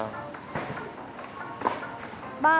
ba mươi nghìn là